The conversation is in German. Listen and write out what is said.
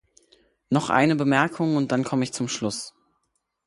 Noch eine Bemerkung, und dann komme ich zum Schluss.